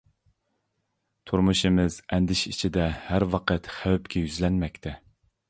تۇرمۇشىمىز ئەندىشە ئىچىدە ھەر ۋاقىت خەۋپكە يۈزلەنمەكتە.